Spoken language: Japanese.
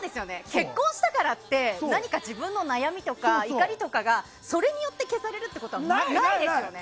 結婚したからって何か自分の悩みとか怒りとかがそれによって消されることはないですよね。